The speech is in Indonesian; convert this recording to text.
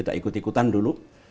kita ikut ikutan dulu